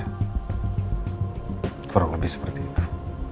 kurang lebih seperti itu